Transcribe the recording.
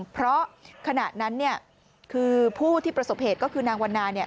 เพราะขณะนั้นเนี่ยคือผู้ที่ประสบเหตุก็คือนางวันนาเนี่ย